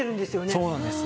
そうなんですよ。